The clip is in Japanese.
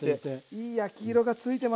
いい焼き色がついてます。